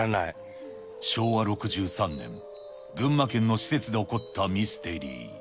昭和６３年、群馬県の施設で起こったミステリー。